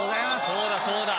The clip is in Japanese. そうだそうだ。